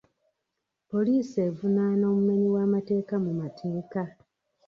Poliisi evunaana omumenyi w'amateeka mu mateeka.